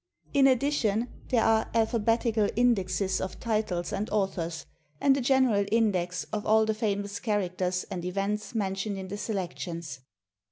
In addition, there are alphabetical indexes of titles and authors and a general index of all the famous characters and events mentioned in the selections.